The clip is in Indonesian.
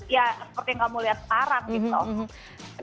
ya seperti yang kamu lihat sekarang gitu